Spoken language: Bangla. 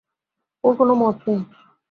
ওর কোনো মত নেই।